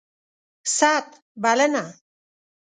ست ... بلنه